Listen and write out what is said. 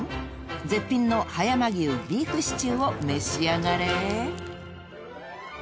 ［絶品の葉山牛ビーフシチューを召し上がれ］